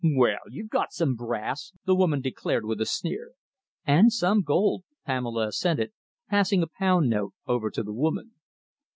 "Well, you've got some brass!" the woman declared, with a sneer. "And some gold," Pamela assented, passing a pound note over to the woman.